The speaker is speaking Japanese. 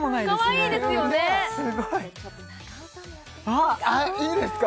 あっいいですか？